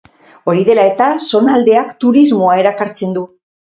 Hori dela eta zonaldeak turismoa erakartzen du.